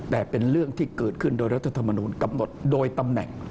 แต่เป็นเรื่องที่เกิดขึ้นโดยรัฐธรรมนูลกำหนดโดยตำแหน่ง